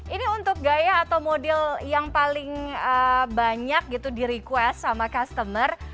ini untuk gaya atau model yang paling banyak gitu di request sama customer